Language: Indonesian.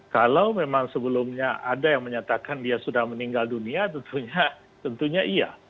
kalau memang sebelumnya ada yang menyatakan dia sudah meninggal dunia tentunya iya